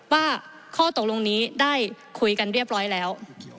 ว่าข้อตกลงนี้ได้คุยกันเรียบร้อยแล้ว